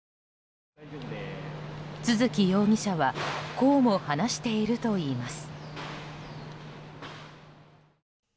都築容疑者はこうも話しているといいます。